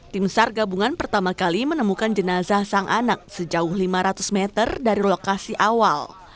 tim sar gabungan pertama kali menemukan jenazah sang anak sejauh lima ratus meter dari lokasi awal